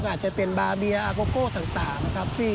อาจจะเป็นบาเบียอาโกโก้ต่างนะครับ